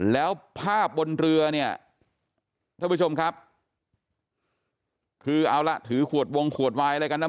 แล้วภาพบนเรือเนี่ยท่านผู้ชมครับคือเอาล่ะถือขวดวงขวดวายอะไรกันนะ